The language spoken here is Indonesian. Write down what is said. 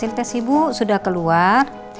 ibu dan hasta ibu sudah keluar